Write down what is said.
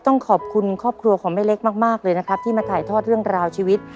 ต้องขอบคุณครอบครัวของแม่เล็กมากเลยนะครับที่มาถ่ายทอดเรื่องราวชีวิต